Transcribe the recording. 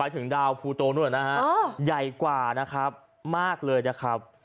ถึงดาวภูโตด้วยนะฮะใหญ่กว่านะครับมากเลยนะครับ